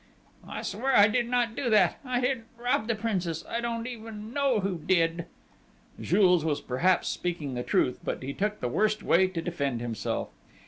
"I swear I did not do that!... I didn't rob the princess.... I don't even know who did!" Jules was, perhaps, speaking the truth, but he took the worst way to defend himself....